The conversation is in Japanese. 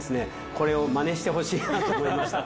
これを真似してほしいなと思いました。